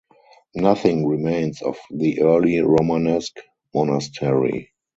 Nothing remains of the early Romanesque monastery.